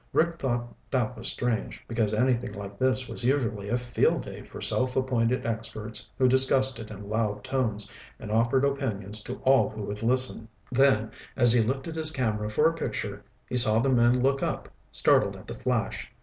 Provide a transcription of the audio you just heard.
Rick thought that was strange, because anything like this was usually a field day for self appointed experts who discussed it in loud tones and offered opinions to all who would listen. Then, as he lifted his camera for a picture, he saw the men look up, startled at the flash.